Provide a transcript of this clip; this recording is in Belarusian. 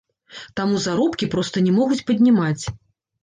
Таму заробкі проста не могуць паднімаць.